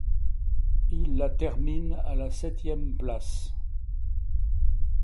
Il la termine à la septième place.